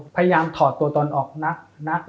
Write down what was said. พยายามถอดตัวตนออกนักวันนั้นเลย